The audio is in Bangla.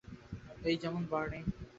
এই যেমন বার্নি।